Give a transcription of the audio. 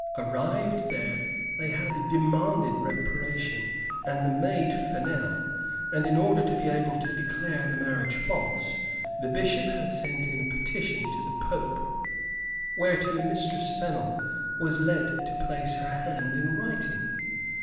Arrived there, they had demanded reparation and the maid Fennel, and in order to be able to declare the marriage false, the Bishop had sent in a petition to the Pope whereto Mistress Fennel was led to place her hand in writing.